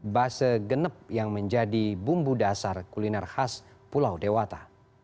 base genep yang menjadi bumbu dasar kuliner khas pulau dewata